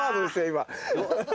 今。